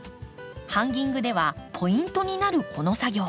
ハンギングではポイントになるこの作業。